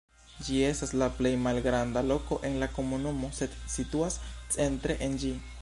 Ĝi estas la plej malgranda loko en la komunumo, sed situas centre en ĝi.